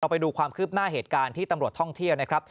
ไปดูความคืบหน้าเหตุการณ์ที่ตำรวจท่องเที่ยวนะครับ